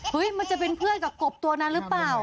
มันจะเป็นเพื่อนกับกบตัวนั้นหรือเปล่า